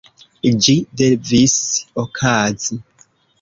Ĝi devis okazi.